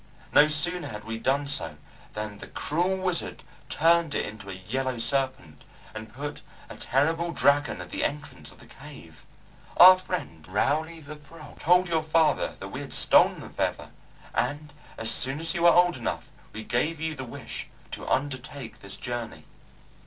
No sooner had we done so than the cruel wizard turned it into a yellow serpent and put a terrible dragon at the entrance of the cave. Our friend Rowley the frog told your father that we had stolen the feather, and as soon as you were old enough we gave you the wish to undertake this journey.